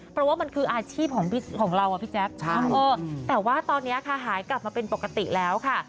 เพราะว่ามันคืออาชีพของเราอะพี่แจ๊คแต่ว่าตอนนี้ค่ะหายกลับมาเป็นปกติแล้วค่ะ